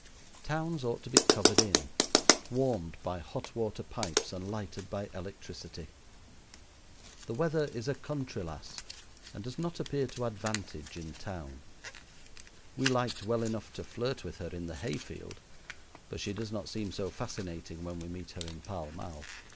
Towns ought to be covered in, warmed by hot water pipes, and lighted by electricity. The weather is a country lass and does not appear to advantage in town. We liked well enough to flirt with her in the hay field, but she does not seem so fascinating when we meet her in Pall Mall.